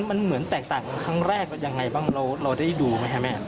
มันเหมือนแตกต่างครั้งแรกยังไงบ้างเราได้ดูไหมคะแม่